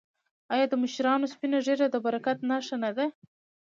آیا د مشرانو سپینه ږیره د برکت نښه نه ده؟